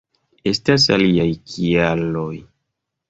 Estas aliaj kialoj.